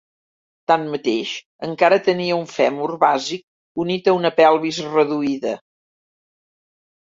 Tanmateix, encara tenia un fèmur bàsic unit a una pelvis reduïda.